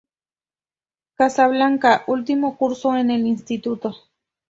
Casablanca, último curso en el instituto.